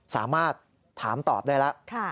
สามารถถามตอบได้แล้ว